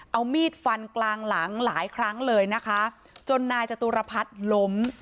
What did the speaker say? เอามีดฟันกลางหลังหลายครั้งเลยนะคะจนนายจตุรพัฒน์ล้ม